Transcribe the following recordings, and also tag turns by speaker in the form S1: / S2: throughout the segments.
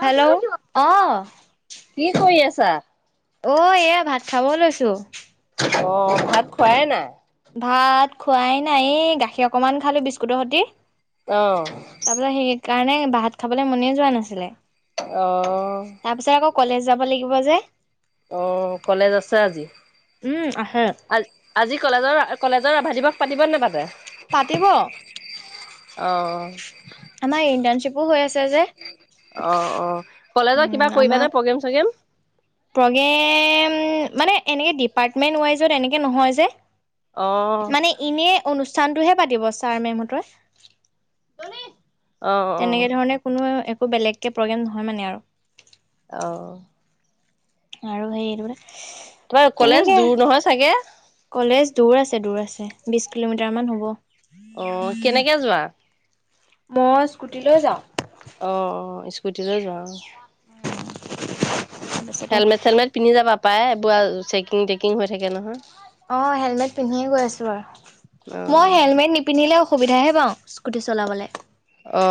S1: Hello! অ।
S2: কি কৰি আছা?
S1: অ! এয়া ভাত খাব লৈছোঁ।
S2: অ! ভাত খোৱাই নাই?
S1: ভাত খোৱাই নাই, এ গাখীৰ অকমান খালোঁ বিস্কুটৰ সতি।
S2: অ!
S1: আপোনাৰ সেইকাৰণে ভাত খাবলে মনেই যোৱা নাছিলে।
S2: অ'
S1: তাৰপিছত আকৌ কলেজ যাব লাগিব যে।
S2: অ! কলেজ আছে আজি?
S1: উম আহে
S2: [unintelligible] আজি কলেজৰ-কলেজৰ ৰাভা দিৱস পাতিব নে নাপাতে?
S1: পাতিব।
S2: অ।
S1: আমাৰ ইন্টাৰণশ্বিপো হৈ আছে যে। উম, আমাৰ
S2: প্ৰগেম চগেম
S1: প্ৰগ্ৰেম মানে, এনেকে ডিপাৰ্টমেণ্ট ৱাইজত এনেকে নহয় যে
S2: অ।
S1: মানে এনে অনুষ্ঠানটোহে পাতিব, ছাৰ মেমহঁতৰ।
S2: অ' অ'
S1: তেনেকে ধৰণে কোনো একো বেলেগকে প্ৰগ্ৰেম নহয় মানে আৰু
S2: অ।
S1: আৰু হাৰিয়া বোলে
S2: তোমাৰ কলেজ দূৰ নহয় চাগে?
S1: কলেজ দূৰ আছে, দূৰ আছে বিছ কিলোমিটাৰমান হ'ব।
S2: অ, কেনেকে যোৱা?
S1: মই স্কুটিলৈ যাওঁ।
S2: অ, অ, স্কুটিলৈ যোৱা অহ।
S1: তাৰপিছতে
S2: হেলমেট চেলমেট পিন্ধি যাবা পায়, এইবোৰ আৰু চেকিং টেকিং হৈ থাকে নহয়।
S1: অ হেলমেট পিন্ধি গৈ আছোঁ বাৰু। মই
S2: অ'
S1: হেলমেট নি পিন্ধিলে অসুবিধাহে পাওঁ স্কুটি চলাবলে।
S2: অ,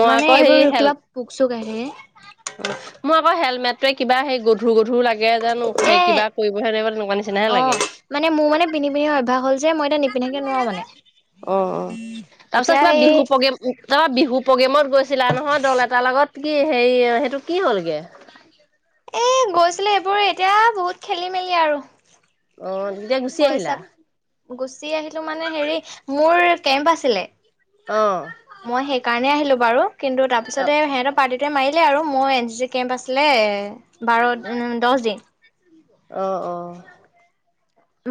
S2: মই
S1: মানে
S2: আকৌ
S1: এইবোৰ
S2: হেৰি হেল
S1: কিবা পোক চোক আহি
S2: অ, মোৰ আকৌ হেলমেটটোৱে কিবা হেৰি গধুৰ গধুৰ লাগে জানো,
S1: থাকে এ
S2: সেই কিবা কৰিবহে নোৱাৰিবা তেনেকুৱা নিচিনাহে লাগে।
S1: অ' মানে মোৰ মানে পিন্ধি পিন্ধি অভ্যাস হ'ল যে মই এতিয়া নিপিন্ধাকে নোৱাৰো মানে।
S2: অ, অ। তাৰ পিছত
S1: এতিয়া
S2: কিবা
S1: এই
S2: বিহু প্ৰগ্ৰেম অ বিহু প্ৰগ্ৰেমত গৈছিলা নহয়, দল এটাৰ লগত, কি হেৰি সেইটো কি হ'লগে?
S1: এ, গৈছিলো এইবোৰ এতিয়া বহুত খেলি-মেলি আৰু।
S2: অ, [unintelligible]
S1: পইচা, গুচি আহিলো মানে হেৰি মোৰ কেম্প আছিলে
S2: অ।
S1: মই সেইকাৰণে আহিলো বাৰু। কিন্তু তাৰ
S2: অ
S1: পিছতে সিহতৰ পাৰ্টিত মাৰিলে আৰু মোৰ এন চি চি কেম্প আছিলে বাৰ -দহ দিন।
S2: অ, অ।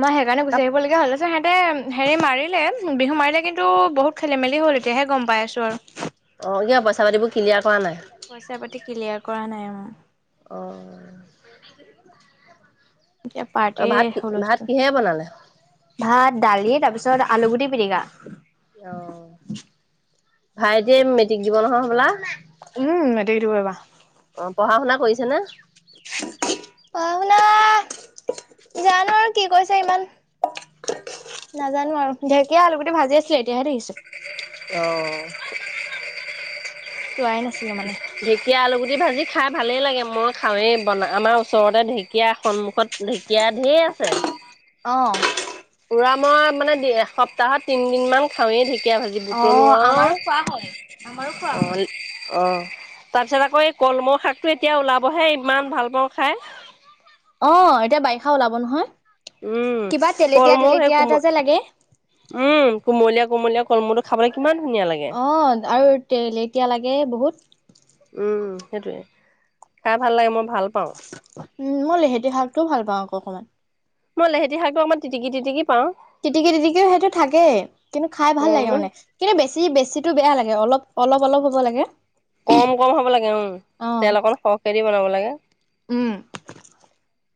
S1: মই সেইকাৰণে গুচি আহিব লগিয়া হ'ল। পিছত সিহঁতে হেৰি মাৰিলে, বিহু মাৰিলে কিন্তু বহুত খেলি হ'ল, এতিয়াহে গম পাই আছো আৰু।
S2: অ, কিয় পইচা পাতিবোৰ ক্লিয়াৰ কৰা নাই?
S1: পইচা পাতি ক্লিয়াৰ কৰা নাই অহ।
S2: অঁ।
S1: কিবা
S2: অ ভাত
S1: পাৰ্টিৰ
S2: কি ভাত
S1: হুলস্থুল
S2: কিহেৰে বনালে
S1: ভাত, দালি তাৰ পিছত আলু গুটি পিটিকা।
S2: অ, ভাইটি মেট্ৰিক দিব নহয় হ'বলা?
S1: উম, মেট্ৰিক দিব এইবাৰ।
S2: অ, পঢ়া-শুনা কৰিছে নে?
S1: পঢ়া শুনা, জানো আৰু কি কৰিছে ইমান নাজানো আৰু ঢেকীয়া, আলুগুটি ভাজি আছিলে, এতিয়াহে দেখিছো।
S2: অ।
S1: চোৱাই নাছিলো মানে।
S2: ঢেকীয়া আলুগুটি ভাজি খাই ভালেই লাগে, মই খাওঁৱেই বনা আমাৰ ওচৰতে ঢেকীয়া সন্মুখত। ঢেঁকীয়া ঢেই আছে।
S1: অ
S2: উৰা মই মানে এসপ্তাহত তিনদিন মান খাওঁয়ে ঢে ঢেকীয়া ভাজি বুটলো
S1: অ',
S2: আৰু,
S1: আমাৰো খোৱা হয়।
S2: অ' অ তাৰপিছত আকৌ এই কলমৌ শাকটো এতিয়া ওলাবহে, ইমান ভাল পাওঁ খাই।
S1: অ এতিয়া বাৰিষা ওলাব নহয়,
S2: উম।
S1: কিবা তেলেতীয়া
S2: কলমৌ সেই
S1: তেলেতীয়া
S2: কোম
S1: এটা যে লাগে।
S2: উম' কুমলীয়া কুমলীয়া কলমৌটো খাবলে কিমান ধুনীয়া লাগে।
S1: অঁ আৰু তেলেটিয়া লাগে বহুত।
S2: উম' সেইটোৱে, খাই ভাল লাগে মই ভাল পাওঁ।
S1: উম' মই লেহেতি শাকটো ভাল পাওঁ আকৌ অকণমান।
S2: মই লেহেতি শাকটো অকণমান তিটিকি তিটিকি পাওঁ।
S1: তিটিকি তিটিকিও সেইটো থাকেই, কিন্তু খাই ভাল
S2: অ'
S1: লাগে
S2: মই
S1: মানে। কিন্তু বেছি বেছিটো বেয়া লাগে, অলপ, অলপ, অলপ হ'ব লাগে।
S2: কম কম হব লাগে উম',
S1: অ'।
S2: তেল অকন সৰহকে দি বনাব লাগে।
S1: উম,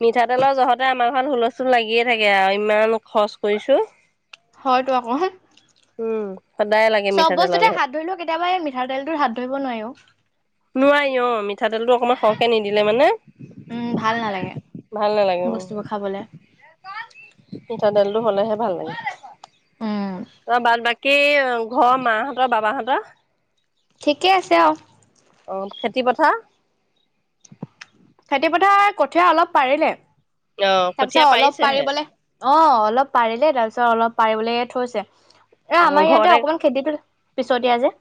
S2: মিঠাতেলৰ জহতে আমাৰ ঘৰত হুলস্থুল লাগিয়ে থাকে আৰু, ইমান খৰচ কৰিছো।
S1: হয়তো আক,
S2: উম সদায় লাগে
S1: চব
S2: মিঠাতেলৰ
S1: বস্তুতে
S2: জহত।
S1: হাত ধৰিলো কেতিয়াবা এই মি মিঠাতেল টোৰ হাত ধৰিব নোৱাৰিঁ অ।
S2: নোৱাৰি অ' মিঠাতেলটো অকমান সৰহকে নিদিলে মানে।
S1: উম, নালাগে
S2: ভাল নালাগে উম।
S1: বস্তুবোৰ খাবলে।
S2: মিঠাতেলটো হলেহে ভাল লাগে,
S1: উম,
S2: তই বাদ বা কী ঘৰৰ মাহঁতৰ, বাবাহঁতৰ?
S1: ঠিকে আছে আ।
S2: অ' খেতি পথাৰ?
S1: খেতি পথাৰ কঠীয়া অলপ পাৰিলে,
S2: অ কঠীয়া
S1: তাৰপিছত অলপ
S2: পাৰিছেহে
S1: পাৰিবলে অ' অলপ পাৰিলে, তাৰপিছত অলপ পাৰিবলে থৈছে। এ
S2: অ
S1: আমাৰ ইয়াতে
S2: ঘৰতে
S1: অকমান খেতিটো পিছতিয়া যে।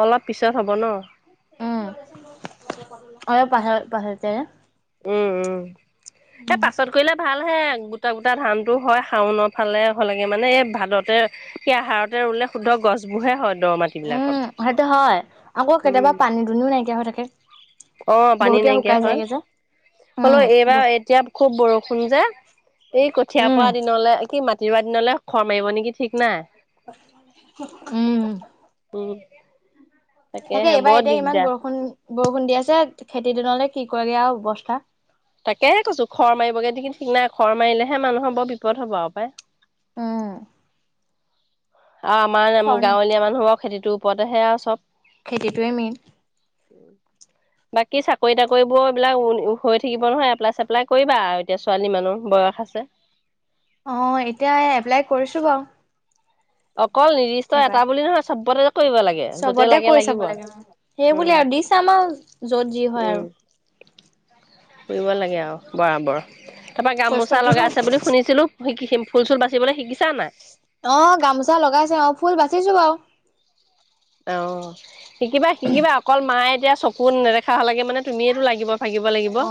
S2: অলপ পিছত হ'ব ন?
S1: উম' অলপ পাছ পছতীয়া যে।
S2: উম' উম' এ পাছত কৰিলে ভাল। হে গোটা গোটা ধানতো হয়, শাওনত হলে হলেগে মানে, এ ভাদতে সি আহাৰতে ৰুলে শুদ্ধ গছবোৰহে হয় দ মাটি।
S1: উম' সেইটো হয়, আকৌ কেতিয়াবা পানী দুনিও নাইকিয়া হৈ থাকে।
S2: অ' পানী
S1: বহুতে
S2: নাইকিয়া
S1: শুকাই
S2: হয়।
S1: যায়গে যে
S2: হলেও
S1: উম বহ
S2: এইবাৰ এতিয়া খুব বৰষুণ যে এই কঠীয়া
S1: উম
S2: পৰা দিনলে কি মা কিইবা দিনলে খৰ মাৰিব নেকি ঠিক নাই।
S1: উম।
S2: উম।
S1: তাকে এইবাৰ এতিয়া ইমান বৰষুণ বৰষুণ দি আছে, খেতি দিনলে কি কৰে আৰু অৱস্থা।
S2: তাকেহে কৈছো খৰ মাৰিবগে নেকি ঠিক নাই, খৰ মাৰিলেহে মানুহৰ বৰ বিপদ হ'ব আৰু পায়।
S1: উম।
S2: অ আমাৰ
S1: খৰ
S2: গাঁৱলীয়া মানুহৰ খেতিটোৰ ওপৰতহে আৰু চব।
S1: খেতিটোৱে মেইন।
S2: [inaudible] বাকী চাকৰি তাকৰিবোৰ এইবিলাক হৈ থাকিব নহয়, এপ্লাই চেপ্লাই কৰিবা আৰু এতিয়া ছোৱালী মানুহ বয়স আছে।
S1: অ' এতিয়া এপ্লাই কৰিছো বাৰু।
S2: অকল নিৰ্দিষ্ট
S1: এইবাৰ
S2: এটা বুলি নহয়, চব্বতে কৰিব লাগে। য'তে
S1: চবতে
S2: লাগে
S1: কৰি
S2: লাগিব
S1: চাব লাগে সেইবুলি
S2: উম।
S1: আৰু দি চাম আৰু য'ত যি হয়
S2: উম
S1: আৰু।
S2: কৰিব লাগে আৰু বৰাবৰ। তাৰপৰা গামোচা
S1: কষ্টটোতো
S2: লগাই আছে বুলি শুনিছিলো শিকি ফুল চুল বাচিবলৈ শিকিছা নে নাই?
S1: অ' গামোচা লগাইছে আৰু ফুল বাচিছোঁ বাৰু।
S2: অ' শিকিবা শিকিবা অকল মায়ে এতিয়া চক কোন নেদেখা হ'লাগে মানে তুমিয়েতো লাগিব ভাগিব লাগিব।
S1: অ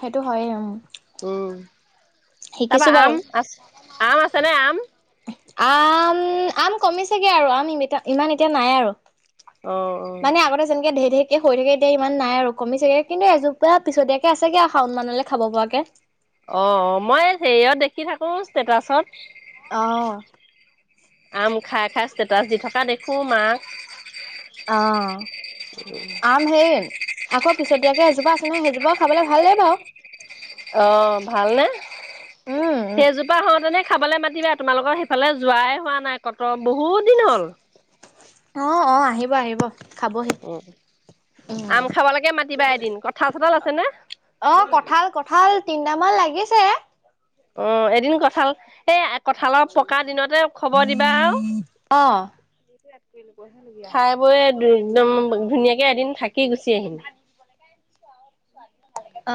S1: সেইটো হয়ে উম
S2: উম, তাৰপা
S1: শিকিছো বাৰু
S2: আম আছ আম আছে নে আম।
S1: আম কমিছেগে আৰু আম ইমান এতিয়া নাই আৰু।
S2: অঁ অঁ।
S1: মানে আগতে যেনেকে ঢেৰ ঢেৰ কে সৰি থাকে এতিয়া ইমান নাই আৰু কমিছেগে কিন্তু এজোপা পিছতীয়াকে আছেগে আৰু শাওণ মানলৈ খাব পৰাকে।
S2: অ', অ' মই হেৰিয়ত দেখি থাকো ষ্টেটাচত।
S1: অ'।
S2: আম খাই খাই ষ্টেটাছ দি থকা দেখোঁ মাক।
S1: অ' [unintelligible] হেৰি আকৌ পিছতীয়াকে এজোপা আছেনে সেইজোপাও খাবলৈ ভালেই বাৰু।
S2: অ' ভাল নে।
S1: উম
S2: সেইজোপা হওঁতেনে খাবলে মাতিবা তোমালোকৰ সেইফালে যোৱাই হোৱা নাই কতো বহুত দিন হ'ল।
S1: অ', অ' আহিব, আহিব খাবহি। উম
S2: আম খাবলৈকে মাতিবা এদিন, কঁঠাল চঠাল আছেনে?
S1: অ' কঁঠাল, কঁঠাল তিনটামান লাগিছে।
S2: অ' এদিন কঁঠাল, এই কঁঠালৰ পকা দিনতে। খবৰ দিবা আৰু।
S1: অ
S2: খাই বৈ একদম ধুনীয়াকে এদিন থাকি গুচি আহিম।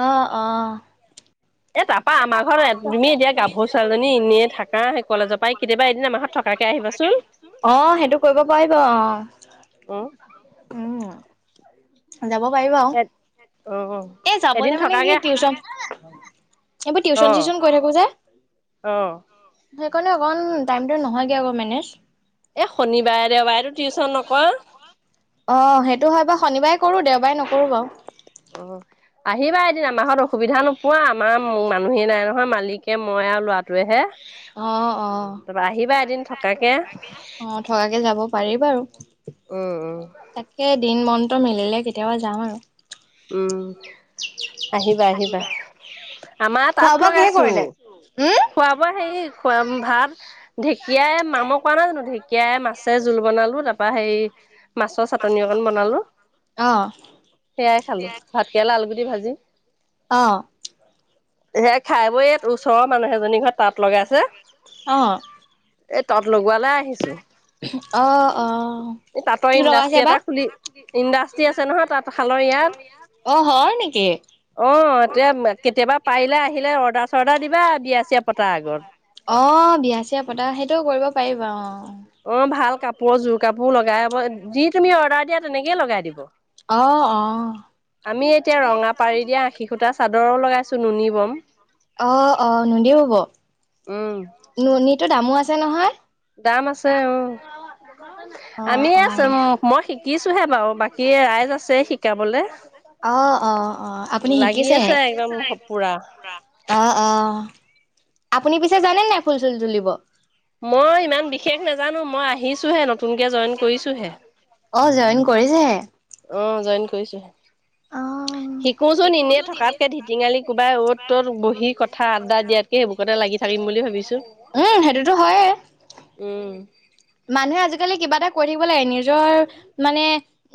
S1: অ', অ'।
S2: এটা পা আমাৰ ঘৰত তুমি এতিয়া গাভৰু ছোৱালীজনী এনেই থাকা সেই কলেজৰ পৰাই কেতিয়াবা এদিন আমাৰ ঘৰত থকাকে আহিবাচোন।
S1: অ' সেইটো কৰিব পাৰিব অ'।
S2: উম।
S1: অ'। যাব পাৰি আৰু
S2: অ'
S1: এ যাব
S2: এদিন
S1: লে মানে কি
S2: থকাকে
S1: টিউচন এইবোৰ টিউচন
S2: অ'
S1: চিউচন কৰি থাকো যে।
S2: অ'।
S1: সেইকাৰণে অকমান টাইমটো নহয়গে আকৌ মেনেজ।
S2: এ শনিবাৰে দেওবাৰেটো টিউচন নকৰো।
S1: অ' সেইটো হয় বাৰু শনিবাৰে কৰোঁ দেওবাৰে নকৰোঁ বাৰু।
S2: অ'। আহিবা এদিন আমাৰ ঘৰত অসুবিধা নোপোৱা, আমাৰ মানুহে নাই নহয় মালিকে মই আৰু ল'ৰা তোৱেহে,
S1: অ অ
S2: তাৰপৰা আহিবা এদিন থকাকে। উম,
S1: অ থকাকে যাব পাৰি বাৰু
S2: উম।
S1: তাকে দিন, মনটো মিলিলে কেতিয়াবা যাম আৰু।
S2: উম আহিবা আহিবা। আমাৰ তাঁত লগাইছো।
S1: হুম!
S2: খোৱা বোৱা হেৰি খোৱা ভাত, ঢেঁকীয়াই মামক কোৱা নাই জানো ধেক ঢেকিয়াই, মাছে জোল বনালো তাৰ পৰা সেই মাছৰ চাটনি অকণ বনালো।
S1: অ
S2: সেইয়াই খালোঁ। ভাতকেৰেলা, আলুগুটি ভাজি।
S1: অ
S2: সেয়া খাই বৈয়ে ইয়াত ওচৰৰ মানুহ এজনীৰ ঘৰত তাঁত লগাইছে। এ তাত লগো
S1: [unintelligible] অ-অ!
S2: এই তাঁতৰ ইণ্ডাষ্ট্ৰী এটা খুলি ইণ্ডাষ্ট্ৰি আছে নহয় তাঁত শালৰ
S1: অ হয় নেকি
S2: ইয়াত। অঁ! এয়া কেতিয়াবা পাৰিলে আহিলে অৰ্ডাৰ-চৰ্ডাৰ দিবা বিয়া-চিয়া পতাৰ আগত।
S1: অঁ! বিয়া-ছিয়া পতা সেইটোও কৰিব পাৰি বাৰু অঁ।
S2: অঁ! ভাল কাপোৰ জোৰ কাপোৰ লগাই যি তুমি অৰ্ডাৰ দিয়া তেনেকেই লগাই দিব।
S1: অঁ-অঁ!
S2: আমি এতিয়া ৰঙা পাৰি দিয়া আশী সূতা চাদৰো লগাইছো নুনি বম।
S1: অঁ-অঁ! নুনী বব?
S2: উম!
S1: নুনীটো দামো আছে নহয়।
S2: দাম আছে উম। [unintelligible]
S1: অঁ-অঁ! [unintelligible] মই শিকিছো হে
S2: বাকী
S1: বাৰু
S2: ৰাইজ আছে
S1: [unintelligible]
S2: শিকাবলে
S1: শিকাব যে। অঁ-অঁ-অঁ! আপুনি
S2: লাগি
S1: শিকিছেহে?
S2: আছে একদম পুৰা
S1: [inaudible] অঁ-অঁ! আপুনি পিছে জানে নাই ফুল-চুল তুলিব?
S2: মই ইমান বিশেষ নাজানো মই আহিছোহে নতুন
S1: [unintelligible] অ! জইন কৰিছেহে।
S2: অঁ! জইন কৰিছোঁ হে।
S1: অ'।
S2: শিকোচোন এনেই থকাতকে ঢিটিঙালি কোবাই অত ত'ত বহি কথা আড্ডা দিয়াত কে সেইবোৰতে লাগি থাকিম বুলি ভাবিছোঁ।
S1: উম, সেইটোতো হয়ে
S2: উম!
S1: মানুহে আজিকালি কিবা এটা কৰিব লাগে নিজৰ মানে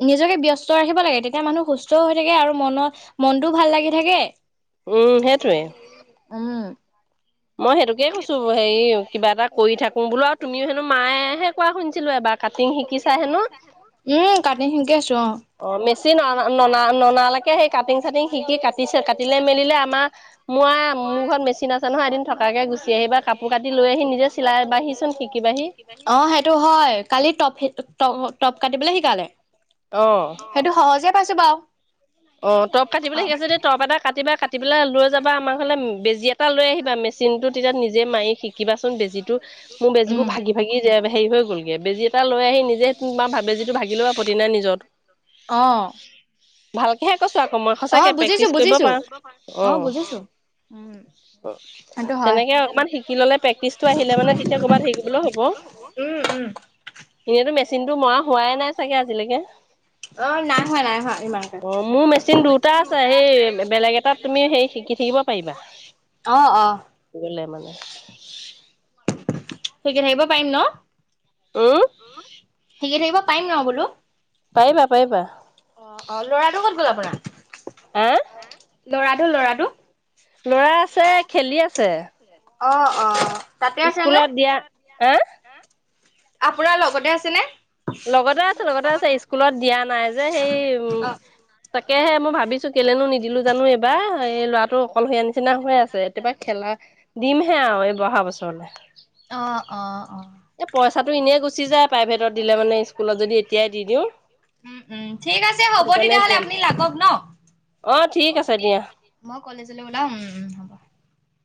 S1: নিজকে ব্যস্ত ৰাখিব লাগে তেতিয়া মানুহ সুস্থও হৈ থাকে আৰু মনত মনটোও ভাল লাগি থাকে।
S2: উম! সেইটোৱে।
S1: উম।
S2: মই সেইটোকে কৈছোঁ হেৰি কিবা এটা কৰি থাকোঁ বোলো। আৰু তুমিও হেনো মায়েহে কোৱা শুনিছিলোঁ এবাৰ কাটিং শিকিছা হেনো?
S1: উম! কাটিং শিকি আছো অঁ।
S2: অ! মেচিন অনা ননা নালৈকে সেই কাটিং-চাটিং শিকি কাট টিচে কাটিলে মেলিলে আমাৰ মই মোৰ ঘৰত মেচিন আছে নহয় এদিন থকাকে গুচি আহিবা কাপ কাপোৰ কাটি লৈ আহি নিজে চিলাই বাহিচোন শিকিবাহি।
S1: অঁ! সেইটো হয়। কালি টপ সেইটো টপ কাটিবলৈ শিকালে।
S2: অঁ।
S1: সেইটো সহজে পাইছো বাৰু।
S2: অঁ! টপ কাটিবলে শিকাই আছে যদি টপ এটা কাটিবা পেলাই লৈ যাবা আমাৰ ঘৰলে বেজি এ এটা লৈ আহিবা মেচিনটো তেতিয়া নিজে মাৰি শিকিবাচোন বেজিটো। মোৰ বেজীবোৰ
S1: উম
S2: ভাগি-ভাগি হেৰি হৈ গ'লগৈ। বেজি এটা লৈ আহি নিজে বেজীটো ভাগিলেও আপত্তি নাই নিজৰটো।
S1: অঁ!
S2: ভালকেহে কৈছো আকৌ মই
S1: [unintelligible] অঁ!
S2: সঁচাকে প্ৰেক্টিচ কৰিব
S1: বুজিছো-বুজিছো।
S2: পাৰা
S1: অঁ! বুজিছো উম।
S2: অ'
S1: সেইটো হয়
S2: তেনেকে অকমান শিকি ল'লে প্ৰেক্টিচটো আহিলে মানে তেতিয়া ক'ৰবাত হেৰি কৰিবলৈ হ'ব।
S1: [unintelligible] উম' উম'।
S2: এনেইতো মেচিনটো মৰা হোৱাই নাই চাগে আজিলৈকে
S1: অ' নাই হোৱা, নাই হোৱা ইমানকে।
S2: অ মোৰ মেচিন দুটা আছে এই বেলেগ এটাত তুমি সেই শিকি থাকিব পাৰিবা।
S1: অ অ।
S2: গ'লে মানে
S1: শিকি থাকিব পাৰিম ন?
S2: উম'
S1: হেল্ল শিকি থাকিব পাৰিম ন বোলোঁ? পাৰিবা, পাৰিবা। অ' অ' ল'ৰাটো ক'ত গ'ল আপোনাৰ?
S2: হা?
S1: ল'ৰাটো, ল'ৰাটো
S2: ল'ৰা আছে, খেলি আছে।
S1: অ' অ'। তাতে আছে নে?
S2: স্কুলত দিয়া হা?
S1: আপোনাৰ লগতে আছে নে?
S2: লগতে আছে, লগতে আছে স্কুলত দিয়া নাই যে হেৰি উম'
S1: অ
S2: তাকেহে মই ভাবিছোঁ কেলেনো নিদিলোঁ জানোঁ এইবাৰ, এই ল'ৰাটো অকলশৰীয়া নিচিনা হৈ আছে। এতিয়াবা খেলা দিম হে আৰু, এই অহা বছৰলে।
S1: অ' অ' অ'
S2: এ পইচাটো এনেই গুচি যায়, প্ৰাইভেটত দিলে মানে স্কুলত যদি এতিয়াই দি দিওঁ।
S1: উম' উম' ঠিক আছে হ'ব
S2: সেইটো কাৰণে
S1: তেতিয়া হ'লে
S2: দিয়া নাই
S1: আপুনি লাগক ন, অ' থিক আছে, থিক আছে। মই কলেজলৈ ওলাও উম' উম' হ'ব।